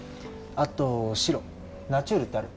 あと白ナチュールってある？